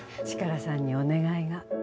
チカラさんにお願いが。